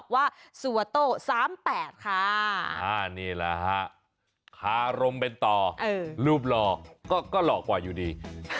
ขาลมเป็นต่อรูปหลอกก็หลอกกว่าอยู่ดี